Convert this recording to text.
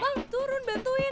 bang turun bantuin